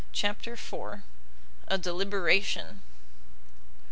CHAPTER iv. A DELIBERATION.